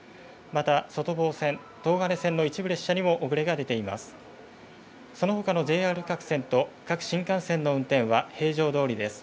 また外房線、東金線の一部列車にも遅れが出ています。